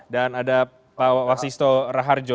dan ada pak wasisto raharjo